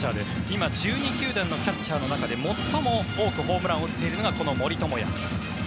今、１２球団のキャッチャーの中で最も多くホームランを打っているのがこの森友哉。